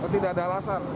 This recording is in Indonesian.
tidak ada alasan